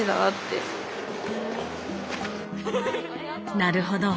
なるほど。